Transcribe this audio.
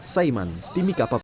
saiman timika papu